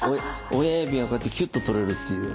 親指がこうやってキュッと取れるっていう。